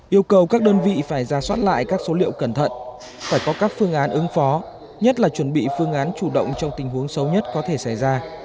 yêu cầu các đơn vị phải ra soát lại các số liệu cẩn thận phải có các phương án ứng phó nhất là chuẩn bị phương án chủ động trong tình huống xấu nhất có thể xảy ra